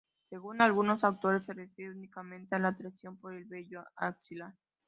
Según algunos autores, refiere únicamente a la atracción por el vello axilar.